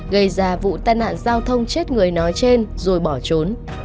gây ra vụ tai nạn giao thông chết người nói trên rồi bỏ trốn